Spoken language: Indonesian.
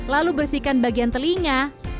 lalu bersihkan bagian telinga